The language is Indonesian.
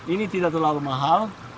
ini tidak terlalu mahal